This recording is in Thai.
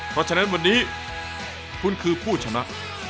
เพราะฉะนั้นวันนี้คุณคือผู้ชนะ